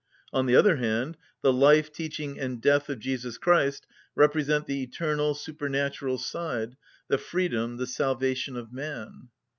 On the other hand, the life, teaching, and death of Jesus Christ represent the eternal, supernatural side, the freedom, the salvation of man.